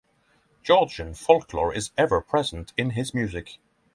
Georgian folklore is ever present in his music.